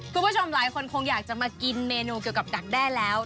คุณผู้ชมหลายคนคงอยากจะมากินเมนูเกี่ยวกับดักแด้แล้ว